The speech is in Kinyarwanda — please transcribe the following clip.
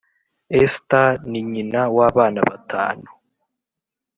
esta ni nyina w’abana batanu